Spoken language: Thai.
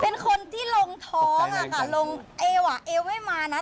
เป็นคนที่ลงท้องลงเอวเอวไม่มานะ